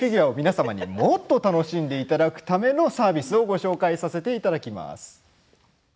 さらにもっと楽しんでいただくためのサービスをご紹介させていただきます。